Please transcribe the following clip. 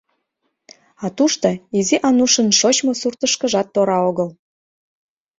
А тушто Изи Анушын шочмо суртышкыжат тора огыл.